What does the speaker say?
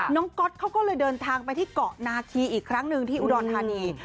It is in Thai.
ก๊อตเขาก็เลยเดินทางไปที่เกาะนาคีอีกครั้งหนึ่งที่อุดรธานี